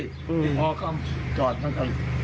พี่พ่อเข้าจอดมากัน